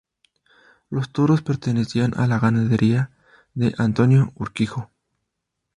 Los toros pertenecían a la ganadería de Antonio Urquijo.